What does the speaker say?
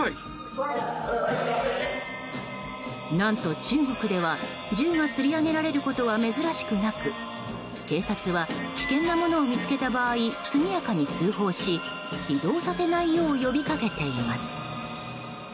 何と、中国では銃が釣り上げられることは珍しくなく警察は危険なものを見つけた場合速やかに通報し移動させないよう呼び掛けています。